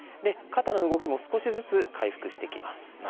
肩の動きも少しずつ回復してきます。